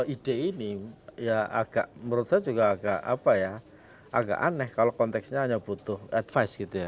ide ini ya agak menurut saya juga agak apa ya agak aneh kalau konteksnya hanya butuh advice gitu ya